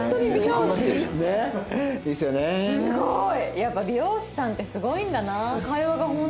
すごい！やっぱ美容師さんってすごいんだな。